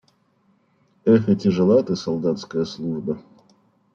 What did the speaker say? – Эх, и тяжела ты, солдатская служба!